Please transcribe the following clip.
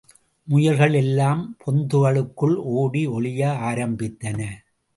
முயல்கள் எல்லாம் பொந்துகளுக்குள் ஓடி ஒளிய ஆரம்பித்தன.